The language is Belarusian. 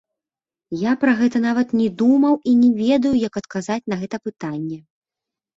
Я пра гэта нават не думаў і не ведаю, як адказаць на гэта пытанне.